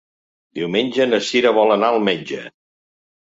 Diumenge na Cira vol anar al metge.